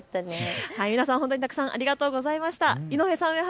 皆さん、たくさんありがとうございます。